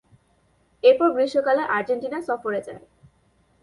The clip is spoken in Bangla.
এরপর গ্রীষ্মকালে আর্জেন্টিনা সফরে যায়।